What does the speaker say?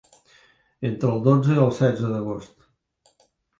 Entre el dotze i el setze d'agost.